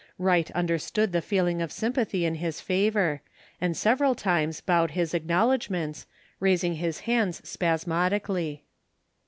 Wright understood the feeling of sympathy in his favour, and several times bowed his acknowledgments, raising his hands spasmodically.